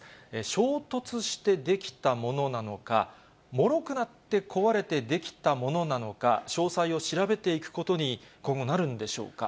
衝突して出来たものなのか、もろくなって壊れて出来たものなのか、詳細を調べていくことに、今後なるんでしょうか。